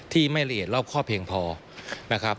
ไม่ละเอียดรอบครอบเพียงพอนะครับ